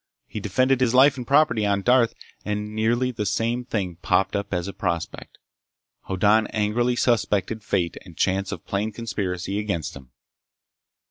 He'd defended his life and property on Darth, and nearly the same thing popped up as a prospect. Hoddan angrily suspected fate and chance of plain conspiracy against him.